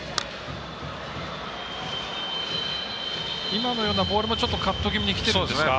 今のようなボールもカット気味にきてるんですか。